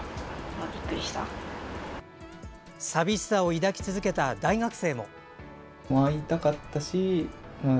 寂しさを抱き続けた大学生も。